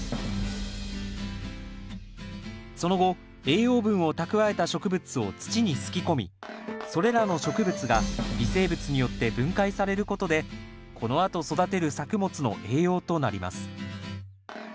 その後栄養分を蓄えた植物を土にすき込みそれらの植物が微生物によって分解されることでこのあと育てる作物の栄養となります。